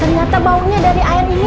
ternyata baunya dari air ini